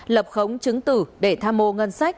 lập khống chứng tử để tham mô ngân sách